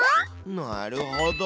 なるほど！